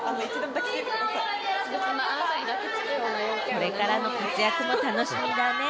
これからの活躍も楽しみだね！